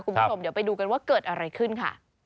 คุณผู้ชมเดี๋ยวไปดูกันว่าเกิดอะไรขึ้นค่ะ